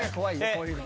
こういうの。